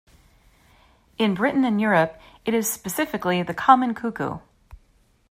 In Britain and Europe, it is specifically the common cuckoo.